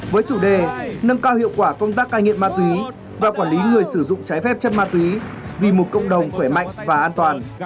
với chủ đề nâng cao hiệu quả công tác cai nghiện ma túy và quản lý người sử dụng trái phép chất ma túy vì một cộng đồng khỏe mạnh và an toàn